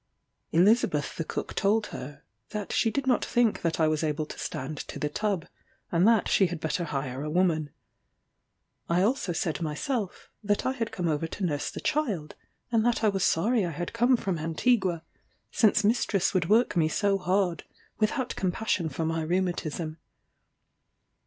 Elizabeth the cook told her, that she did not think that I was able to stand to the tub, and that she had better hire a woman. I also said myself, that I had come over to nurse the child, and that I was sorry I had come from Antigua, since mistress would work me so hard, without compassion for my rheumatism.